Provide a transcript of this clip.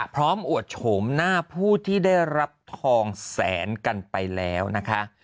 อวดโฉมหน้าผู้ที่ได้รับทองแสนกันไปแล้วนะคะ